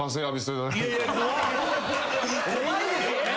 怖いですよ。